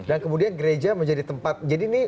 dan kemudian gereja menjadi tempat jadi ini